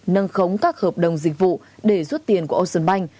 nâng khống các hợp đồng dịch vụ để rút tiền của ocean bank